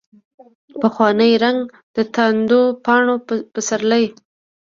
پخوانی رنګ، دتاندو پاڼو پسرلي